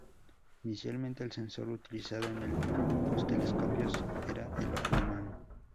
Inicialmente, el sensor utilizado en los telescopios era el ojo humano.